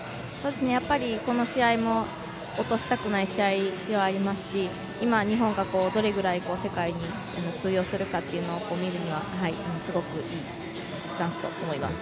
やっぱりこの試合も落としたくない試合でありますし今、日本がどれぐらい世界に通用するかというのを見るにはすごくいいチャンスだと思います。